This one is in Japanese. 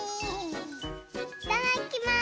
いただきます！